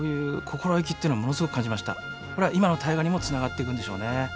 これは今の「大河」にもつながっていくんでしょうね。